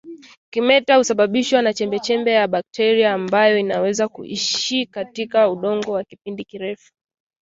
Kimeta husababishwa na chembechembe ya bakteria ambayo inaweza kuishi katika udongo kwa kipindi kirefu